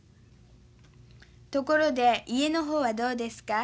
ところで家の方はどうですか？